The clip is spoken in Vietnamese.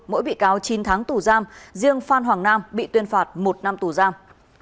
mỗi bị cáo chín tháng tù giam riêng phan hoàng nam bị tuyên phạt một năm tù giam